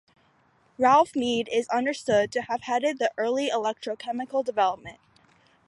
Ralph Mead is understood to have headed the early electrochemical development.